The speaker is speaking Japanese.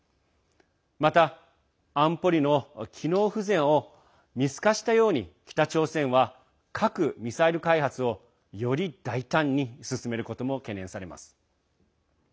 また、安保理の機能不全を見透かしたように北朝鮮は核・ミサイル開発をより大胆に進めることも懸念されます。